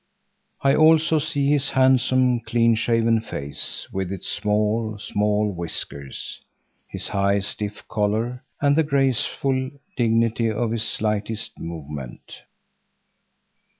I also see his handsome, clean shaven face with its small, small whiskers, his high stiff collar, and the graceful dignity of his slightest movement.